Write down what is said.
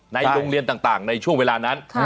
ในโรงเรียนต่างในช่วงเวลานั้น